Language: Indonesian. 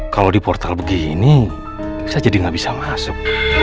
kalau di portal begini saya jadi nggak bisa masuk